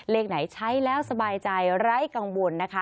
เลขไหนใช้แล้วสบายใจไร้กังวลนะคะ